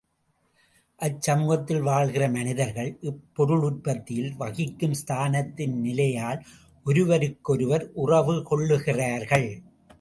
அச்சமூகத்தில் வாழ்கிற மனிதர்கள், இப்பொருளுற்பத்தியில் வகிக்கும் ஸ்தானத்தின் நிலையால் ஒருவருக்கொருவர் உறவு கொள்ளுகிறார்கள்.